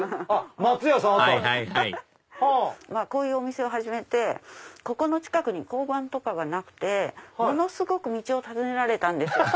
はいはいはいこういうお店を始めてここの近くに交番とかがなくてものすごく道を尋ねられたんです。